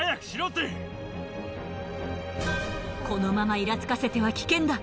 このままイラつかせては危険だ。